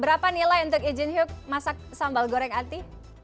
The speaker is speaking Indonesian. berapa nilai untuk izin yuk masak sambal goreng ati